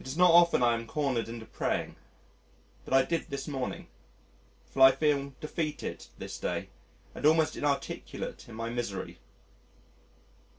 It is not often I am cornered into praying but I did this morning, for I feel defeated this day, and almost inarticulate in my misery.